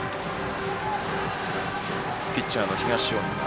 ピッチャーの東恩納。